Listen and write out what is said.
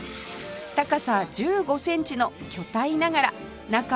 高さ１５センチの巨体ながら中はふわふわ